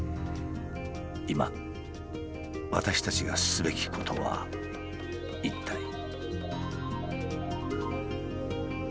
今私たちがすべきことは一体。